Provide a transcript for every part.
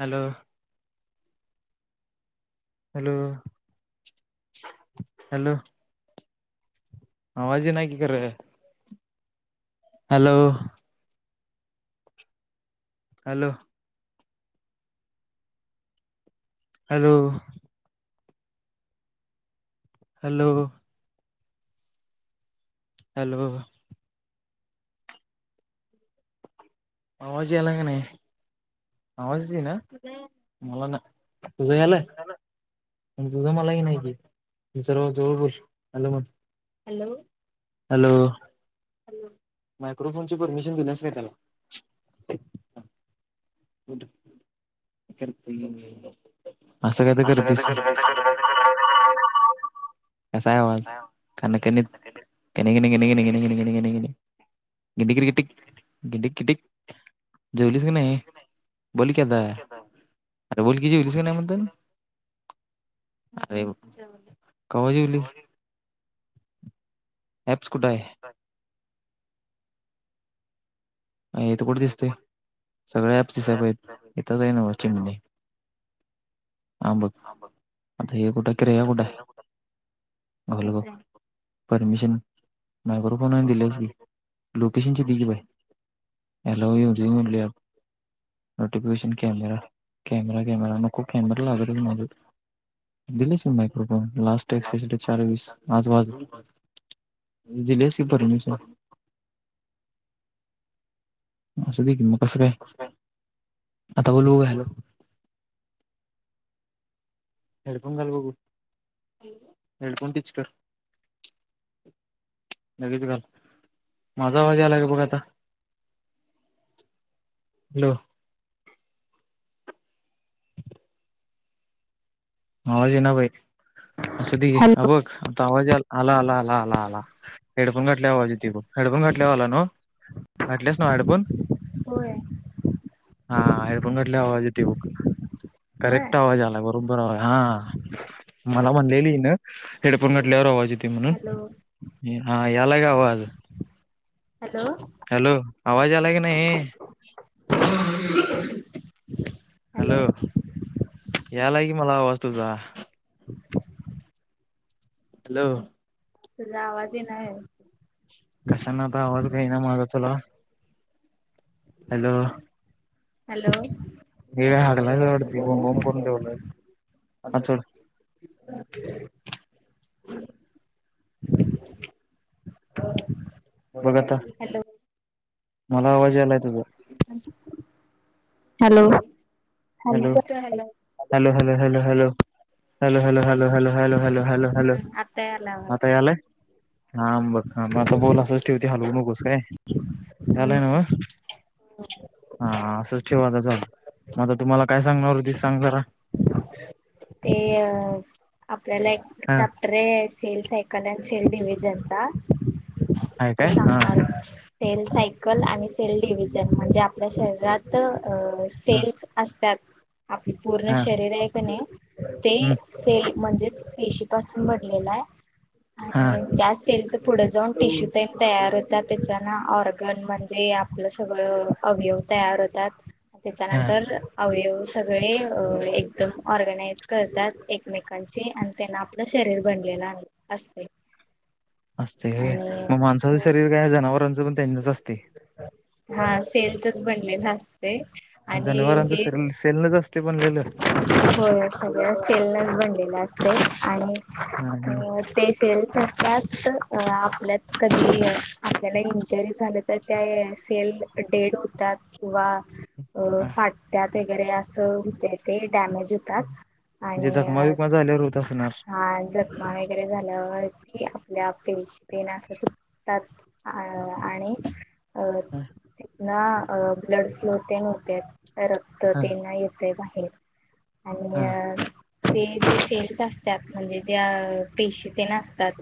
Hello hello hello हवाजी नाकीी करे hello hello hello hello hello मावाज येलांग नाही आवाजची ना मला ना तुझं आला तुझा मलाही नाही सर् जवळ बोल हॅलो म्हॅलो हॅलो मायक्रोफोनची परमिशन दिण्याच नाही त्याला होठ असं कात कस आहेक णेणेणेणे गिंडि किट गिंड किट जेवलीस की नाही बोल कता अरे बोल कि जेलीस का नाही मणद अरे कवजवली अप्स कुडा आहे येत कठ दिसते सगळ्या ॲप दिसप येेतच आहे नव चिं मुणे आंबं आता हे कुठ कि र कुठ बोल ब परमिशन नाही करू फोन दिलेच गी लोकेशनची त की बाय हॅलो योज मल नोटफिकेशन कॅमरा कॅमेरा कॅमेरा नक कॅमरा लागर मा दिलेश मायक्रोफोन लास्ट एक्ससाठी चार वीस आज वाज दिलेस परमेश्वर असं ब मग कसं काय काय आता बोल का हॅलो हेडफोन घाल बघू हेडफोन टिच कर लगेच घल माझा आवाज आला ग बघ आता हॅलो आवाज ऐना भाई असुदे घे, हॅलो. अ बघ आता आवाज आला आला आला आला आला हेडफोन घटल्याव आवाज एतुय बघ, हेडफोन घातटल्याव आला नव, घातल्यास ना हेडफोन होय हा हेडफोन घातलेव आवाज येतय बघ, होय करेक्ट आवाज आलाय, बरोबर आवाज हा,, मला म्हणलेली हीनं,, हेडफोन घातल्यावर आवाजऽऽ हॅलो हा, यालाय काय आवाज हॅलो हॅलो आवाज आलाय का नाहीऽऽ हॅलो,, यालाय कि मला आवाज तुजा हॅलो तूजा आवाज ईना कशांना आता,, आवाज का ई ना माझा तुला हॅलो हे काय हागलायस हॅलो,,, वाटतं बोंब बोंब करून ठेवलाय हा सोड भ अच्छा [inaudible] बघ आता बर मला आवाज यालाय तुझा. हॅलो. ह hello, hello, hello, hello hello hello hello hello hello hello hello hello हम्म आता यायला आवाज आता यालाय हांम बघ,,, म आता बोल असंच ठेव ते हलवू नकोस काय, यालाय हम्म ना नव हा असंच ठेव आता,, तू मला काय सांगणार हुतीस सांग जरा? ते, अ आपल्याला एक हा चॅप्टर या,, cell cycle and sale division चा. आहे तू काय हा सांगणार होतास सेल सायकल आणि सेल डिव्हजन म्हणजे आपल्या शरीरात अंं हा सेल्स असत्यात आपलं पूर्ण हा शरीर आहे की नाई, ते हम्म सेल म्हणजेच पेशी पासून बनलेला या, हा आणि त्या सेलच पुढं जाऊन टिश्यू पेन तयार होत त्याच्या न ऑर्गन म्हणजे आपलं सगळं अवयव तयार होतात,,, हा त्याच्यानंतर अवयव सगळे एकदम ऑर्गनाइज करतात एकमेकांची,, आणि त्यांन आपलं शरीर बनलेलं असतय असतय व्हय मग माणसाचं शरीर काय जनावरांचं पण त्यांचच असतय. हा सेल चच बनलेल, असं जनावरांच शरीर सेल नच असतय बनलेलं? होय सगळं सेलच बन लेले असतय आणि ते सेल्स असत्यात अ आपल्यात कधी आपल्याला इंजूरी झाल्या तर त्या सेल डेड होतात किंवा अ फाटत्यात वगैरे असं हुतय ते, डॅमेज होतात म्हणजे आणि जखमा विकमा झाल्यावर होत असणार हा,, जखमा वगैरे झाल्यावर ती आपल्या पेशी तेना असं चुकतात अ आणि अ हा ते ना ब्लड फ्लो ते होण्यात. रक्त हा तेना येत या बाहेर हा आणिऽऽ ते जे सेल्च असत्यात,, म्हणजे जे पेशी ते न असतात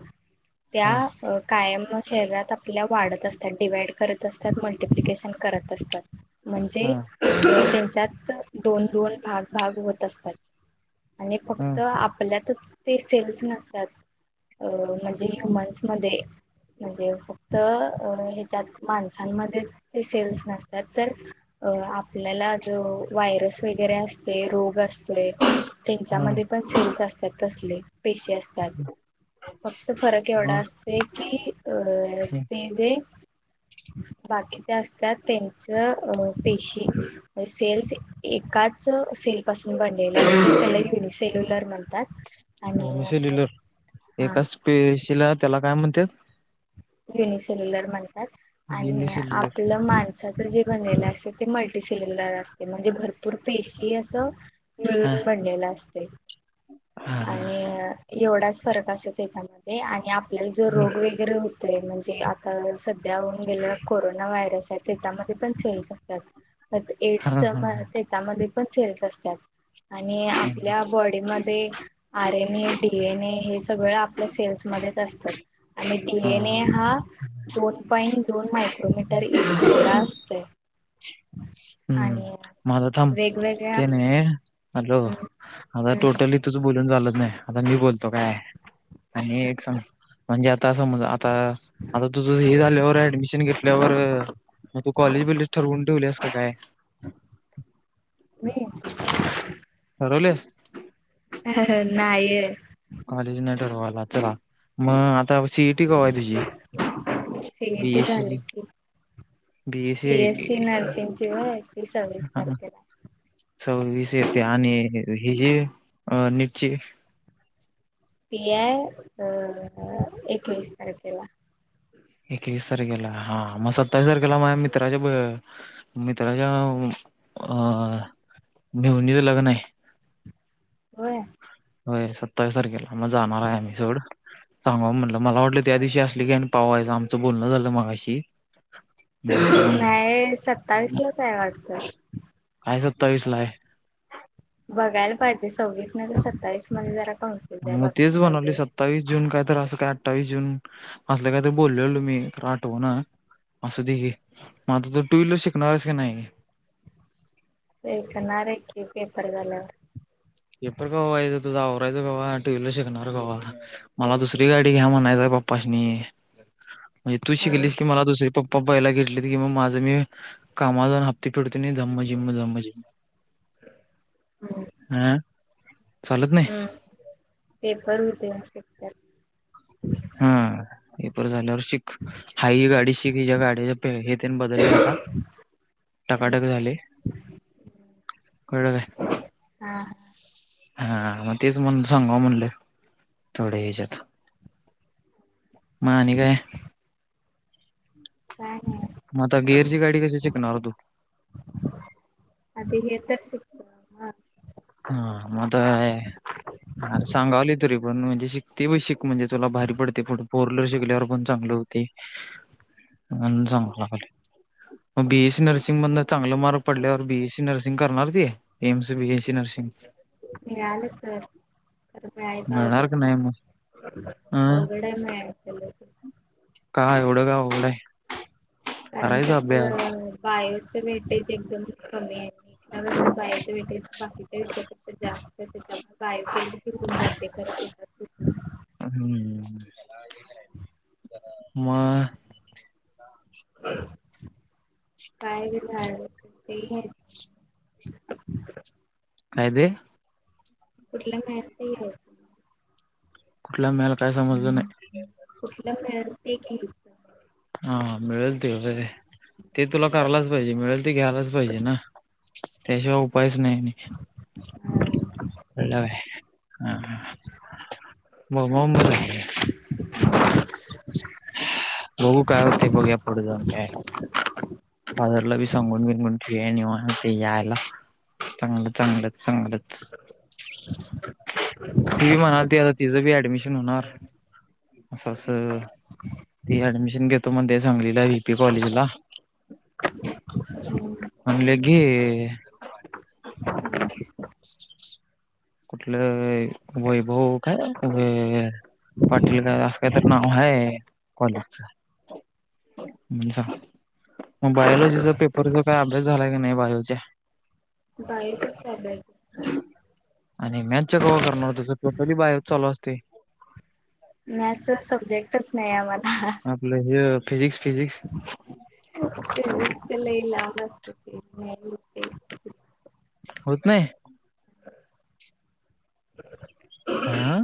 त्या,, हा अ कायम शरीरात आपल्या वाढत असतात डिवाइड करत असतात मल्टिप्लिकेशन करत असतात म्हणजे हा त्यांच्यात दोन दोन भाग भाग होत असतात आणि फक्त आपल्यातच ते सेल्स नसतात अ म्हणजे ह्युमन्स मध्ये म्हणजे फक्त अ ह्याच्यात माणसांमध्ये ते सेल्स नसतात तर आपल्याला ज वायरस वल व असते रोग असतो त्यांच्या हा मध्ये पण सेल्स असतात तसले. पेशी असतात. फक्त फरक एवढा असते की अं ते जे बाकीच्या असतात त्यांच्या पेशी सेल्स एका एकाच सेल पासून बसलेल्या असतात त्या सेलुलर म्हणतात. आणि हो सेल्युलर हा एकाच पेशीला त्याला काय म्हणतात? युनिसेल्युलर म्हणतात आणि गिनीशिल्ल आपलं माणसा जे बनलेलं असत ते मल्टीसेलुलर असते म्हणजे भरपूर पेशी असंत. हा मिळून बनलेला असते हा आणि एवढाच फरक असो त्याच्यामध्ये आणि आपल्याला जो हा रोग वगैरे हो म्हणजे आता सध्या होऊन गेलेला कोरोना व्हायरस आहे त्याच्यामध्ये पण सेल्स असतात. एड्स हा हा त्याच्यामध्ये पण सेल्स असतात. आणि आपल्या बॉडी मध्ये R. N. A., D. N. A. हे सगळ आपल्या सेल्समध्येध्येच असतात. आणि डी. एन. ए हा दोन पॉइंट दोन मायक्रोमीटर इतका असतोय. हम्म आणि माझथम वेगवेगळ्या तेने हॅलो आता टोटली तूझ बोलून झालत नाही आता मी बोलतो काय. आणि एक सग म्हणजे आता समज आता आता तुझं हे झाल्यावर ऍडमिशन घेतल्यावर मग तू कॉलेज बिलेज ठरवून ठेवलीस काय नाय. मी ठरवलेस. नाहीय. कॉलेज न ठरवायला चला मग आता सी ई टी कवा आहे तुझी? सीएटी बीएससी झाले ची की. बी बीएससी एस सी नर्सिंगची आहे ती सव्वीस तारखेला आहे. स विषयेत आणि हि जी अ नीटची. पी आय एकवीस तारखेला. एकवीस तारखेला हा मग सत्तावीस तारखेला माझ्या मित्राच्या मित्राच्या अ मेहुनीच लग्न आहे. होय होय सत्तावीसारखेला मग जाणार आहे आम्ही सोड सांगा म्हटलं मला वाटलं त्या दिवशी असली की आणि पावा. आमचं बोलण झालं मगाशी. मणताना नाही सत्तावीस लाच आहे वाटतं कायच सतावीसलाय बघायला पाहिजे सव्वीस न तर सत्तावीस मध्ये जरा कन्फ्युज आहे मग बघायला तेच बनवले सत्तावीस जून काय तर अस का अठ्ठावीस जून असल्या कायतरी बोललेल मी आठव ना. असं देे म आता तर टू व्हीलर शिकणारस की नाही शिकणार आहे की पेपर झाल्यावर. हे पेपर ग तूझारायचं कवा टू वहीलर शिकणार कवा मला दुसरी गाडी घ्या म्हणायचं. पप्पा म्हणजे तू हा शिकलीस की मला दुसरी पप्पा प्पपाहिला घेतलेली की मग माझं मी कामा जाऊन हप्ते फिडते नाही ध्म जिम्मधम्म जिम्म हम्म हां हम्म पेपर होऊ दे. हा हे पेपर झाल्यावर शिक हाय ही गाडी शिक, हिच्या गाडीच्या हे तेन बदललय आता हम्म टकाटक झालय कळलं काय? हा हा हा मग तेच म्हनुन, सांगाव म्हणल थोड हेच्यात म आणि काय? काय? नाही मग आता गिअरची गाडी कशी शिकणार तू? [unintelligible] हा मग आता अरे सांगावली तरी पण म्हणजे शिक ते बी शिक म्हणजे तुला भारी पडतय, पुढं फोर व्हीलर शिकल्यावर पण चांगल होतय अन चांगल लागलय. मग बी एस सी नर्सिंग मधन चांगलं मार्क पडल्यावर बी एस सी नर्सिंग करणार, ती M C B A C nursing Ichalkaranji मिळालं तर आता मिळायचं मिळणार का नाही मग अवघड हाय, अ अवघड हाय मिळायचं लई का एवढं काय अवघड हाय? कारण त्यात बायोच अ मेटेज? एकदम कमी आहे, त्यापेक्षा बायोच वेटेज बाकीच्या विषयापेक्षा जास्त हाय तेच्यामुळ हां ते बी करतेच करते. हम्म. [unintelligible] म अ. काय बी नाय? ते [unintelligible] काय ते? कुठल काय असतय की रे? कुठला मिळाला काय समजलं नाही. [unintelligible] हा मिळेल ते. ते तुला करायलाच पाहिजे, मिळेल ते घ्यायलाच पाहिजे ना. त्याशिवाय उपायच नाही म हा मग मम्मच आहे बघू काय होते बघूया पुढे जाऊन काय हे नीवांत [unintelligible] चांगलं चांगल चांगलच ती बी म्हणाल, ती आता तिचं बी ऍडमिशन होणार असं अस ती ऍडमिशन घेतो म्हणते, सांगलीला वी पी कॉलेजला म्हणल घे अ. [inaudible] कुठलं वैभव काय वै? पाटील का असं काय तरी नाव हाय कॉलेजच? म्हां मग बायोलॉजीचा पेपरचा काय अभ्यास झालाय काय नाही बायोचा? बाहेरच चाललोय आता आणि मॅथचा कवा करणार? तुझ टोटली बायो च चालू असतय. मॅथस सब्जेक्टच नाही आम्हाला आपलं हे फिजिक्स फिजिक्स [unintelligible] ते लइ लांब असतय. होत नाही. [unintelligible] हा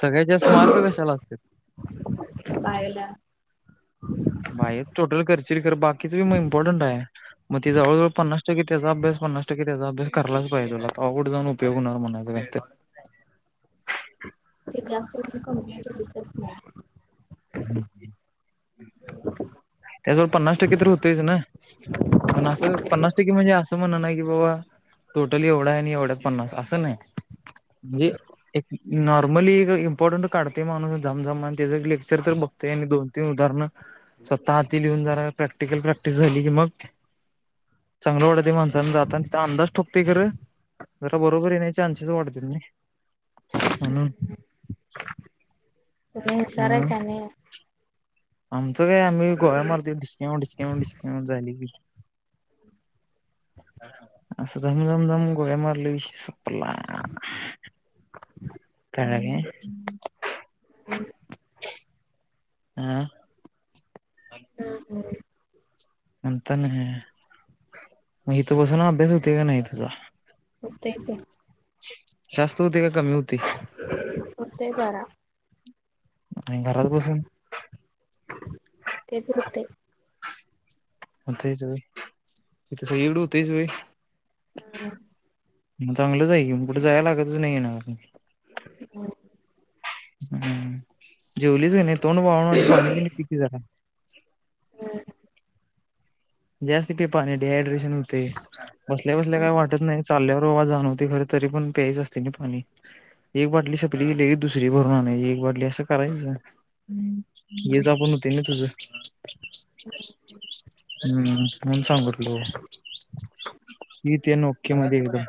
सगळ्यात जास्त मार्क कशाला असत्यात? बायोला [inaudible] बायोत टोटल करशील खरं! बाकीच बी म इम्पॉर्टंट हाय मग, ते जवळजवळ पन्नास टक्के त्याचा अभ्यास पन्नास टक्के त्याचा अभ्यास करायलाच पाहिजे, आता पुढं जाऊन उपयोग व्हणार म्हणालेत ते जास्त करून कंप्लीटच होत नाही. तर. त्याजवळ पन्नास टक्के तर होतेच ना पण असं पन्नास टक्के म्हणजे असं म्हण नाही की, बाबा टोटल एवढा हाय आणि एवढ्यात पन्नास असं नाही. म्हणजे एक नॉर्मली इम्पॉर्टंट काढते माणूस जमझम आणि ते ज र तर बघतय आणि दोन तीन उदाहरणं स्वतः हाती लिहून जाणार प्रॅक्टिकल प्रॅक्टिस झाली की मग चांगल्या वाढती माणसाांने जात ते अंदाज ठोकते खरं. जरा बरोबर येण्याचे चान्सेस वाढतील नाय. म्हणून. मग हुशार अ हायस नाही. आमचं काय आम्ही गोळ्या मारतुय डिस्काउंट डिस्काउंट डिस्काउंट झाली कि. [inaudible] असं धमझमझम गोळ्या मारले विषय संपला. कळाल. हम. हा ह. नाःई तर नाःई मग इथ बसून अभ्यास होतोय का नाही तुझा. तेचय. जास्त होतुय का कमी होतुय. होतय बरा आणि घरात बसून. ते हुतुय. हुतुयच व्हय इथ सगळीकडे तेच हुतुयच व्हय. चांगलंच आहे की, म कुठ जायाला लागतच नाहीना. हो. हम्म जेवलीच का नाही तोंड वाळुन आली पाणी बिनी पि की जरा. हम्. जास्त पे पाणी डिहायड्रेशन होतय बसल्या बसल्या काय वाटत नाही चालल्यावरवा जाणवते खरं तरी पण प्यायच असते ना पाणी. एक बाटली सपली लगीच दुसरी भरून आनायची एक बाटली असं करायच. हम्म, लयच अभ्यास होतय ना तुझ. हम्म, म्हणून सांगितलो, मी तेन ओके मध्ये एकदम.